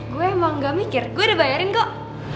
gue emang gak mikir gue udah bayarin kok